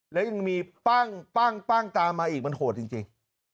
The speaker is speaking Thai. แล้วยังมีปั้งปั้งปั้งตามมาอีกมันโหดจริง